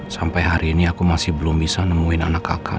sampai hari ini aku masih belum bisa nemuin anak kakak